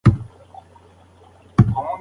مالی منابع د کورنۍ د ثبات لپاره د پلار فکر دي.